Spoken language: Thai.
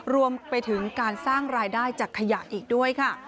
รวมไปถึงการสร้างรายได้จากขยะอีกด้วยค่ะ